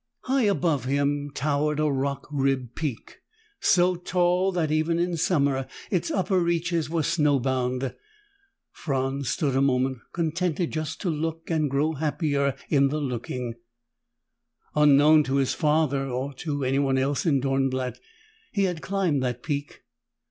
High above him towered a rock ribbed peak, so tall that even in summer its upper reaches were snowbound. Franz stood a moment, contented just to look and grow happier in the looking. Unknown to his father, or to anyone else in Dornblatt, he had climbed that peak.